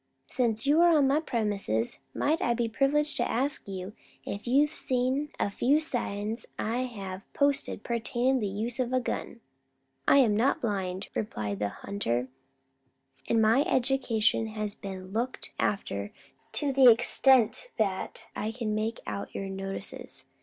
"Since you are on my premises, might I be privileged to ask if you have seen a few signs 'at I have posted pertainin' to the use of a gun?" "I am not blind," replied the hunter; "and my education has been looked after to the extent that I can make out your notices.